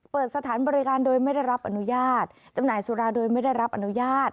เปิดสถานบริการโดยไม่ได้รับอนุญาตจำหน่ายสุราโดยไม่ได้รับอนุญาต